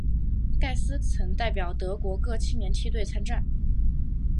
盖斯曾代表德国各青年梯队参战。